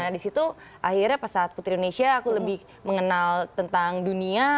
di situ akhirnya pas saat putri indonesia aku lebih mengenal tentang dunia